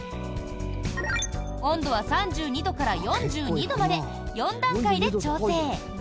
温度は３２度から４２度まで４段階で調整。